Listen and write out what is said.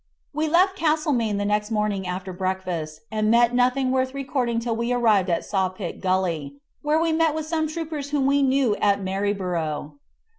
We left Castlemaine the next morning after breakfast, and met nothing worth recording till we arrived at Sawpit Gully, where we met with some troopers whom we knew at Maryborough.